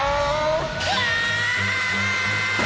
うわ！